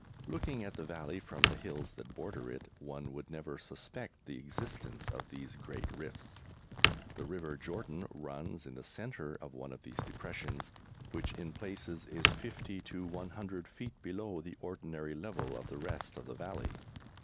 Looking at the valley from the hills that border it, one would never suspect the existence of these great rifts. The River Jordan runs in the centre of one of these depressions, which in places is 50 to 100 feet below the ordinary level of the rest of the valley.